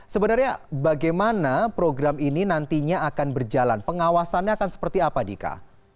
sebenarnya bagaimana program ini nantinya akan berjalan pengawasannya akan seperti apa dika